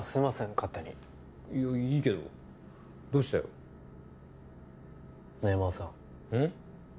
勝手にいやいいけどどうしたよねえマーさんうん？